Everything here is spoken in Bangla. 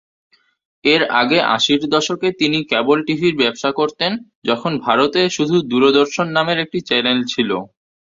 এর আগে আশির দশকে তিনি ক্যাবল টিভির ব্যবসা করতেন যখন ভারতে শুধু দূরদর্শন নামের একটি চ্যানেল ছিলো।